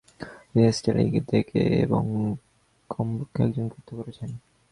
তিনি স্ট্যালিনগ্রাদে থেকে গেলেন এবং কমপক্ষে একজনকে হত্যা করেছেন।